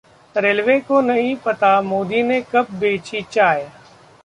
railway को नहीं पता मोदी ने कब बेची चाय